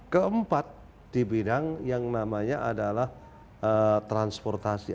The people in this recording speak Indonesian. keempat di bidang yang namanya adalah transportasi